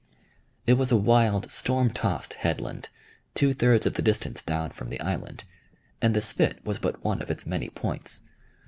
It was a wild, storm tossed headland, two thirds of the distance down from the island, and the spit was but one of its many points.